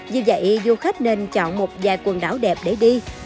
vì vậy du khách nên chọn một vài quần đảo đẹp để đi